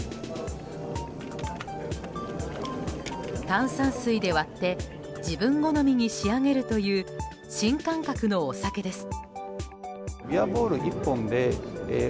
炭酸水で割って自分好みに仕上げるという新感覚のお酒です。